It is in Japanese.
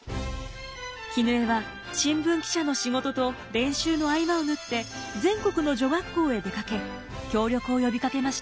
絹枝は新聞記者の仕事と練習の合間を縫って全国の女学校へ出かけ協力を呼びかけました。